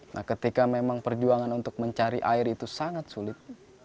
nah ketika memang perjuangan untuk mencari air itu sangat sulit